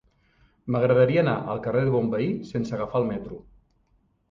M'agradaria anar al carrer de Bonveí sense agafar el metro.